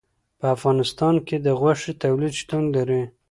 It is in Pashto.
په افغانستان کې د غوښې تولید شتون لري.